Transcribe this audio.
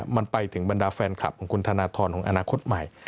มันไปถึงบรรดาแฟนคลับของคุณธนทรของอนาคตใหม่